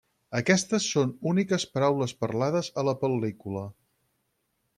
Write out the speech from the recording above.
Aquestes són úniques paraules parlades a la pel·lícula.